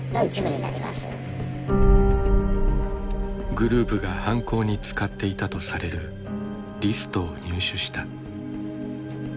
グループが犯行に使っていたとされるリストを入手した。